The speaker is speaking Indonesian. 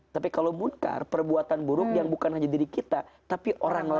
tapi kalau munkar perbuatan buruk yang bukan hanya diri kita tapi orang lain